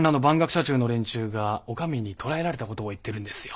社中の連中がお上に捕らえられた事を言ってるんですよ。